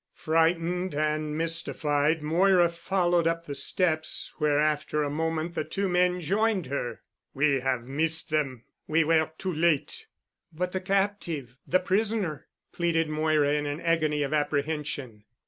Frightened and mystified, Moira followed up the steps where after a moment the two men joined her. "We have missed them. We were too late——" "But the captive—the prisoner," pleaded Moira, in an agony of apprehension.